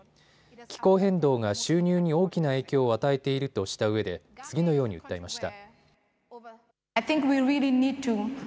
気候変動が収入に大きな影響を与えているとしたうえで次のように訴えました。